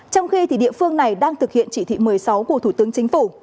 trong khi địa phương này đang thực hiện chỉ thị một mươi sáu của thủ tướng chính phủ